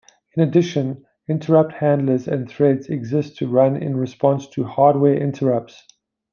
In addition, interrupt handlers and threads exist to run in response to hardware interrupts.